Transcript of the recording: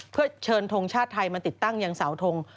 เพื่อเชิญทงชาติไทยมาติดตั้งยังเสาทง